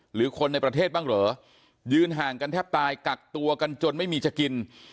หรือคนในประเทศบ้างเหรอยืนห่างกันแทบตายกักตัวกันจนไม่มีจะกิน